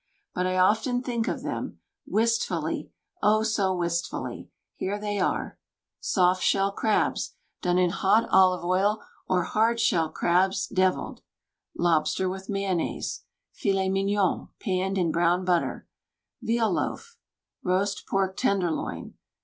But I often think of them, — wistfully, oh, so wistfully ! Here they are: Soft shell crabs, done in hot olive oil; or hard shell crabs; deviled. Lobster with mayonnaise. Filet Mignon : panned ir* brown butter. Veal loaf. Roast pork tenderloin.